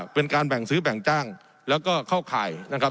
เป็นการแบ่งซื้อแบ่งจ้างแล้วก็เข้าข่ายนะครับ